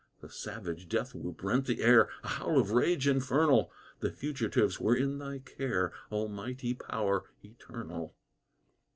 The savage death whoop rent the air! A howl of rage infernal! The fugitives were in Thy care, Almighty Power eternal!